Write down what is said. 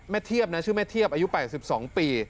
เทียบนะชื่อแม่เทียบอายุ๘๒ปี